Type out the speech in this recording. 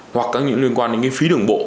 hoặc các những liên quan đến phí đường bộ